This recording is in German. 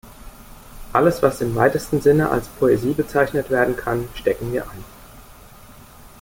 Alles, was im weitesten Sinne als Poesie bezeichnet werden kann, stecken wir ein.